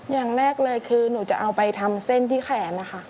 อย่างแรกเลยคือหนูจะเอาไปทำเส้นที่แขนนะคะ